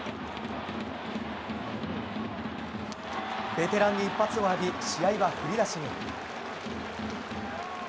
ベテランに一発を浴び試合は振り出しに。